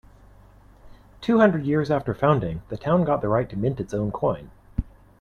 Two hundred years after founding, the town got the right to mint its own coin.